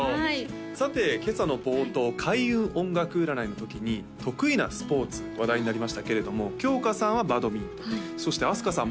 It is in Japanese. さて今朝の冒頭開運音楽占いのときに得意なスポーツ話題になりましたけれどもきょうかさんはバドミントンそしてあすかさん